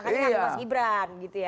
jadi kita harus menang gitu ya